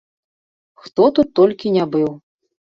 Хто тут толькі не быў!